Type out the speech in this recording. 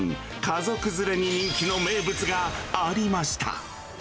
家族連れに人気の名物がありました。